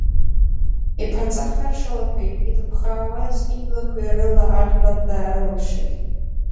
Иԥаҵа харшалақәеи, иҭыԥхаауаз иблақәеи рыла ажәлар даарылаԥшит.